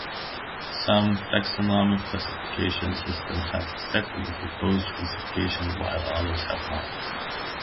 Some taxonomic classification systems have accepted the proposed classification, while others have not.